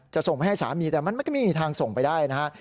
ส่งไปให้สามีแต่มันก็ไม่มีทางส่งไปได้นะฮะ